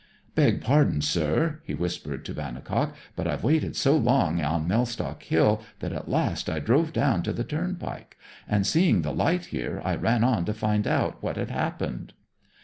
'Beg pardon, sir,' he whispered to Vannicock, 'but I've waited so long on Mellstock hill that at last I drove down to the turnpike; and seeing the light here, I ran on to find out what had happened.'